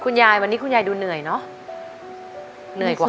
คุณยายแดงคะทำไมต้องซื้อลำโพงและเครื่องเสียง